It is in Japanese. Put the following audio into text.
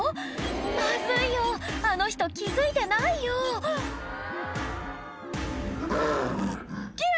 まずいよあの人気付いてないよきゃ！